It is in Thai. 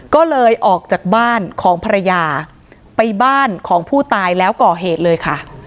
ก็เลยออกจากบ้านของภรรยาไปบ้านของผู้ตายแล้วก่อเหตุเลยค่ะ